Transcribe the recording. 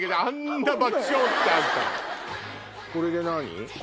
これで何？